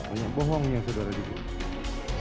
banyak bohongnya saudara saudara